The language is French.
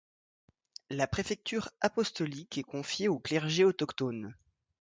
La préfecture apostolique est confiée au clergé autochtone.